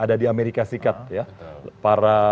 ada di amerika serikat ya para